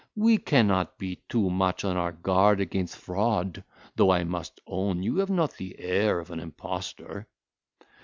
We cannot be too much on our guard against fraud; though I must own you have not the air of an impostor."